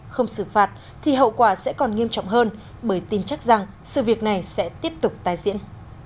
không xử phạt thì hậu quả sẽ còn nghiêm trọng hơn bởi tin chắc rằng sự việc này sẽ tiếp tục tái diễn